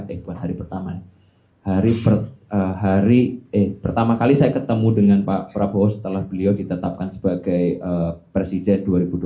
eh bukan hari pertama hari pertama kali saya ketemu dengan pak prabowo setelah beliau ditetapkan sebagai presiden dua ribu dua puluh dua ribu dua puluh sembilan